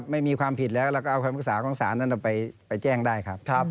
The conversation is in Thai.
ไม่มีความผิดแล้วเราก็เอาคำปรึกษาของศาลนั้นไปแจ้งได้ครับ